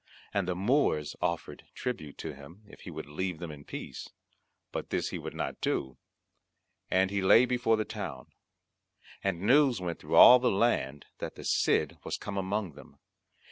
And the Moors offered tribute to him, if he would leave them in peace; but this he would not do, and he lay before the town. And news went through all the land that the Cid was come among them.